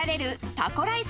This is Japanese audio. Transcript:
タコライス？